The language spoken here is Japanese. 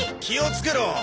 気をつけろ！